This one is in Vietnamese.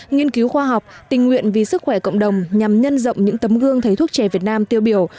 nghiên cứu khoa học tình nguyện vì sức khỏe cộng đồng nhằm nhân rộng những tấm gương thầy thuốc trẻ việt nam tiêu biểu